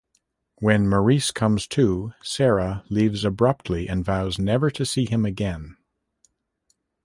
When Maurice comes to, Sarah leaves abruptly and vows never to see him again.